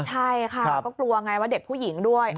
ใช่ค่ะก็กลัวไงว่าเด็กผู้หญิงด้วย